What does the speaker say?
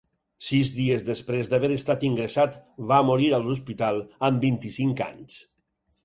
Sis dies després d’haver estat ingressat va morir a l’hospital amb vint-i-cinc anys.